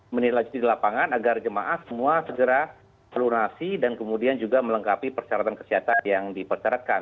menilai lagi di lapangan agar jemaah semua segera melunasi dan kemudian juga melengkapi persyaratan kesehatan yang dipersyaratkan